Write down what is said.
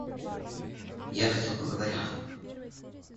Я хотел поговорить.